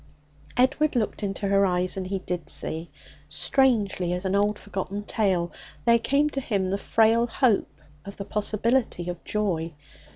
Edward looked into her eyes, and he did see. Strangely as an old forgotten tale, there came to him the frail hope of the possibility of joy.